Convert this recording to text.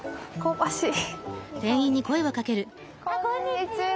こんにちは！